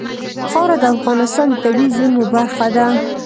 خاوره د افغانستان د طبیعي زیرمو برخه ده.